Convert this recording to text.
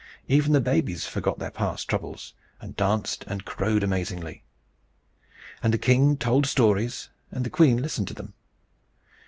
Even the babies forgot their past troubles, and danced and crowed amazingly. And the king told stories, and the queen listened to them.